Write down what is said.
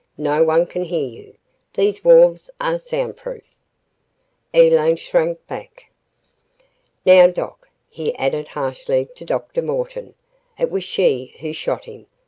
"No one can hear. These walls are soundproof!" Elaine shrank back. "Now, doc.," he added harshly to Dr. Morton. "It was she who shot him.